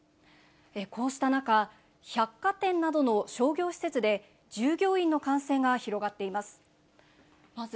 こうした中、百貨店などの商業施設で従業員の感染が広がっています。